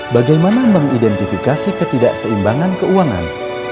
bagaimana mengidentifikasi ketidakseimbangan keuangan